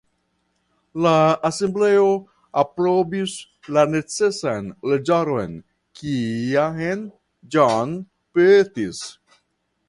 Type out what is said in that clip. La Asembleo aprobis la necesan leĝaron kiam Johnson petis.